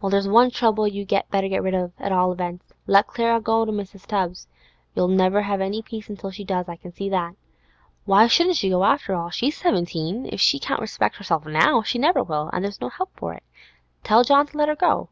'Well, there's one trouble you'd better get rid of, at all events. Let Clara go to Mrs. Tubbs. You'll never have any peace till she does, I can see that. Why shouldn't she go, after all? She's seventeen; if she can't respect herself now, she never will, and there's no help for it. Tell John to let her go.